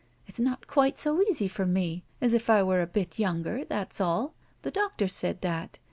It's not quite so easy for me, as if I were a bit younger. That's all. The doctor said that.